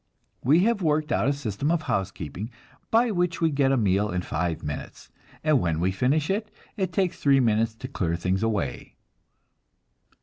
We have worked out a system of housekeeping by which we get a meal in five minutes, and when we finish it, it takes three minutes to clear things away.